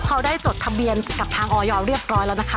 เขาได้จดทะเบียนกับทางออยเรียบร้อยแล้วนะคะ